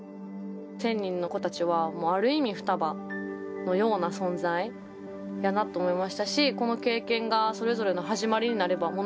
１，０００人の子たちはある意味双葉のような存在やなと思いましたしこの経験がそれぞれの始まりになれば。